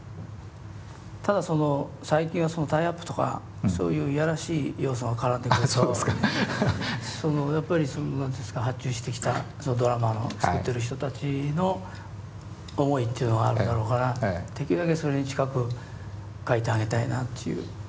ただその最近はタイアップとかそういう嫌らしい要素が絡んでくるとやっぱり何て言うんですか発注してきたそのドラマを作ってる人たちの思いっていうのがあるだろうからできるだけそれに近く書いてあげたいなっていう。